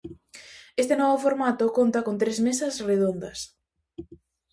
Este novo formato conta con tres mesas redondas.